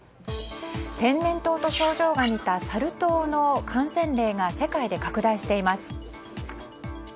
天然痘と症状が似たサル痘の感染例が世界で拡大しています。